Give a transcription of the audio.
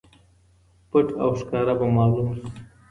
پټ او ښکاره به معلوم شي.